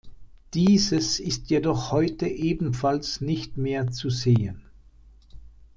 Dieses ist jedoch heute ebenfalls nicht mehr zu sehen.